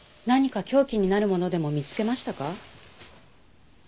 何か凶器になるものでも見つけましたか？